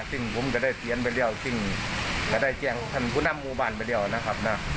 ซึ่งผมก็ได้เตรียมไปแล้วซึ่งก็ได้แจ้งท่านผู้นำหมู่บ้านไปแล้วนะครับนะ